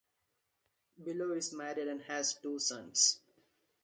Below is married and has two sons.